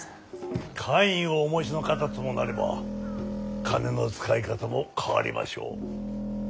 官位をお持ちの方ともなれば金の使い方も変わりましょう。